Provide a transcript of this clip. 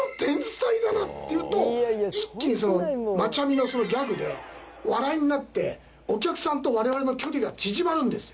一気にそのマチャミのそのギャグで笑いになってお客さんと我々の距離が縮まるんですよ。